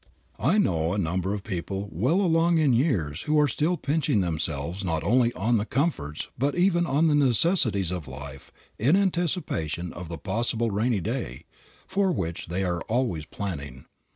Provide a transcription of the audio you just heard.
I know a number of people well along in years who are still pinching themselves not only on the comforts but even on the necessities of life in anticipation of the possible rainy day, for which they are always planning.